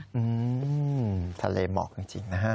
อืมทะเลหมอกจริงนะฮะ